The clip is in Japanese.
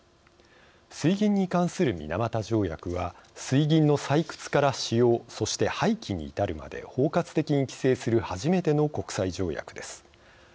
水銀に関する水俣条約は水銀の採掘から使用そして廃棄に至るまで包括的に規制する初めての国際条約です。